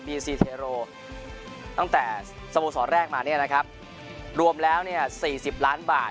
มีซีเทโรตั้งแต่สโมสรแรกมาเนี่ยนะครับรวมแล้วเนี่ย๔๐ล้านบาท